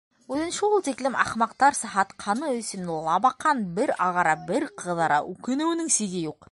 Үҙен шул тиклем ахмаҡтарса һатҡаны өсөн Лабаҡан бер ағара, бер ҡыҙара, үкенеүенең сиге юҡ.